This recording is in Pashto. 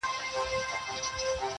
هغه بل موږك را ودانگل ميدان ته.!